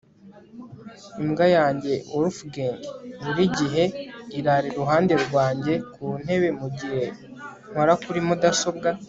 Imbwa yanjye Wolfgang burigihe irara iruhande rwanjye kuntebe mugihe nkora kuri mudasobwa